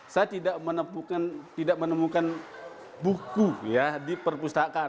saya tidak menemukan buku ya di perpustakaan